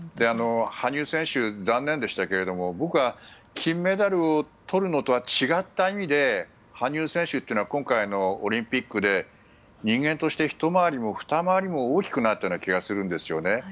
羽生選手、残念でしたが僕は金メダルをとるのとは違った意味で羽生選手というのは今回のオリンピックで人間としてひと回りもふた回りも大きくなったような気がするんですよね。